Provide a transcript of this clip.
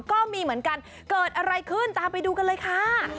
ก็มีเหมือนกันเกิดอะไรขึ้นตามไปดูกันเลยค่ะ